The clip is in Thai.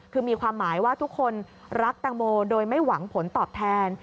คือมีความหมายว่าทุกคนรักแตงโมโดยไม่หวังผลตอบแทน